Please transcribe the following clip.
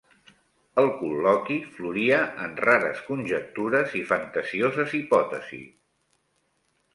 El col·loqui floria en rares conjectures i fantasioses hipòtesis.